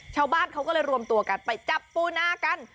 ชาวบ้านเขาก็เลยรวมตัวกันไปจับปูนากัน